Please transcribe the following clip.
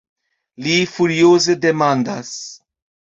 Li furioze demandas.